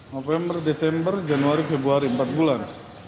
november desember januari februari empat bulan